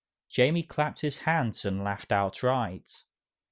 Jamie clapped his hands and laughed outright.